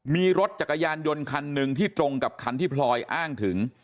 มีรถจักรยานยนต์คันหนึ่งที่ตรงกับคันที่พลอยอ้างถึง